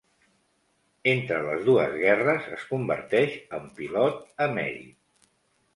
Entre les dues guerres, es converteix en pilot emèrit.